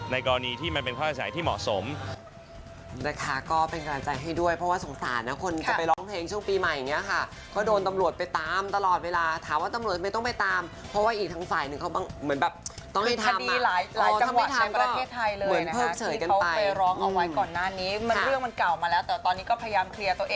ในกรณีที่มันเป็นค่าเสียหายที่เหมาะสม